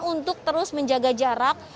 untuk terus menjaga jarak